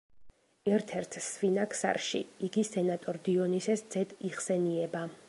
ერთ-ერთ სვინაქსარში იგი სენატორ დიონისეს ძედ იხსენიება.